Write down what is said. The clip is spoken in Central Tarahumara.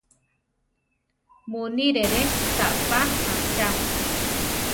Munírere saʼpá achama.